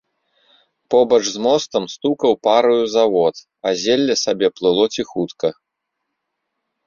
Побач з мостам стукаў параю завод, а зелле сабе плыло ціхутка.